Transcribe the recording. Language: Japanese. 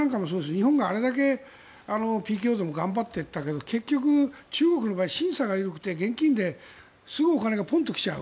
日本があれだけＰＫＯでも頑張っていたけど結局、中国の場合審査が緩くて現金ですぐお金がポンと来ちゃう。